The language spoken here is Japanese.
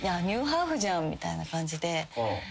ニューハーフじゃんみたいな感じで。